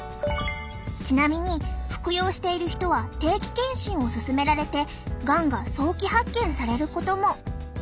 ちなみに服用している人は定期検診を勧められてがんが早期発見されることも。